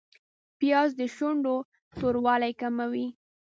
پیاز د شونډو توروالی کموي